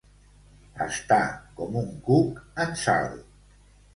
Estar com un cuc en sal.